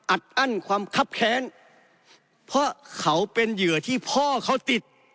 อัดอั้นความคับแค้นเพราะเขาเป็นเหยื่อที่พ่อเขาติด